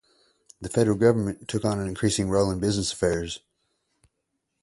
The federal government took on an increasing role in business affairs.